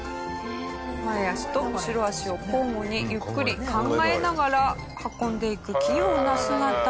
前脚と後ろ脚を交互にゆっくり考えながら運んでいく器用な姿。